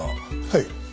はい。